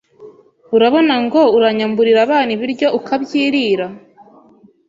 urabona ngo uranyamburira abana ibiryo ukabyirira